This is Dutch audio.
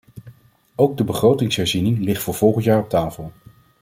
Ook de begrotingsherziening ligt voor volgend jaar op tafel.